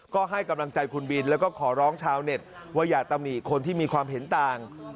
ก็ให้กำลังใจคุณบินแล้วก็ขอร้องชาวเน็ตว่าอย่าตำหนิคนที่มีความเห็นต่าง